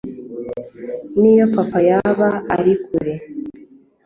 niyo papa yaba ari kure